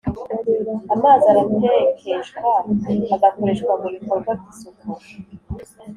amazi aratekeshwa, agakoreshwa mu bikorwa by’isuku.